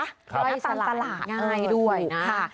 ใส่ตามตลาดง่ายด้วยค่ะ